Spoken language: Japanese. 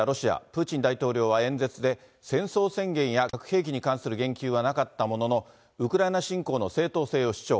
プーチン大統領は演説で、戦争宣言や核兵器に関する言及はなかったものの、ウクライナ侵攻の正当性を主張。